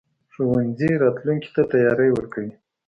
ښوونځی راتلونکي ته تیاری ورکوي.